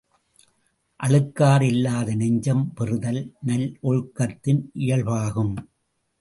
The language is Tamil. அழுக்காறில்லாத நெஞ்சம் பெறுதல் நல்லொழுக்கத்தின் இயல்பாகும்.